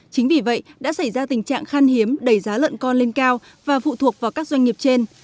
chính vì vậy đã xảy ra tình trạng khan hiếm đẩy giá lợn con lên cao và phụ thuộc vào các doanh nghiệp trên